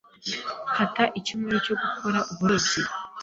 Mfata icyumweru cyo gukora uburobyi.